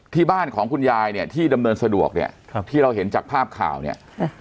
ที่บ้านของคุณยายเนี่ยที่ดำเนินสะดวกเนี่ยครับที่เราเห็นจากภาพข่าวเนี่ย